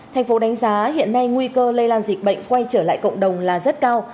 thành phố đánh giá hiện nay nguy cơ lây lan dịch bệnh quay trở lại cộng đồng là rất cao